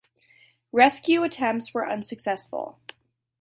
Rescue attempts were unsuccessful.